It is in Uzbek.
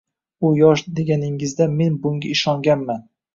U yosh deganingizda men bunga ishonganman.